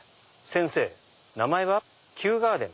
「先生『名前は球ガーデン』。